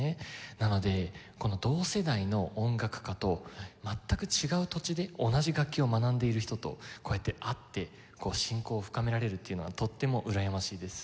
なのでこの同世代の音楽家と全く違う土地で同じ楽器を学んでいる人とこうやって会って親交を深められるというのはとってもうらやましいです。